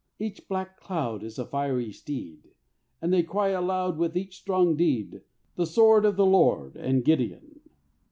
Each black cloud Is a fiery steed. And they cry aloud With each strong deed, "The sword of the Lord and Gideon."